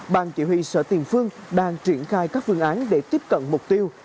ban chỉ huy sở tiền phương đang triển khai các phương án để tiếp cận mục tiêu